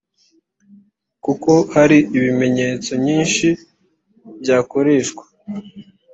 kuko hari ibimenyetso nyinshi byakoreshwa